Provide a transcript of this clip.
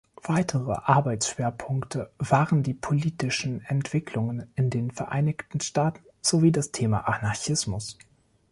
Weitere Arbeitsschwerpunkte waren die politischen Entwicklungen in den Vereinigten Staaten sowie das Thema Anarchismus.